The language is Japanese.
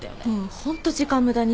ホント時間無駄にした。